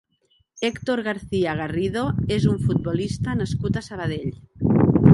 Héctor García Garrido és un futbolista nascut a Sabadell.